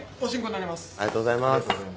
ありがとうございます。